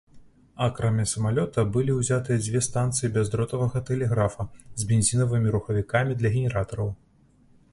Акрамя самалёта, былі ўзятыя дзве станцыі бяздротавага тэлеграфа з бензінавымі рухавікамі для генератараў.